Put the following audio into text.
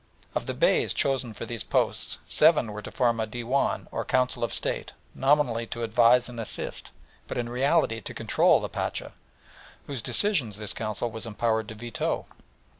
Of the Beys chosen for these posts seven were to form a Dewan, or Council of State, nominally to advise and assist, but in reality to control the Pacha, whose decisions this Council was empowered to veto.